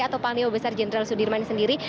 atau panglima besar jenderal sudirman sendiri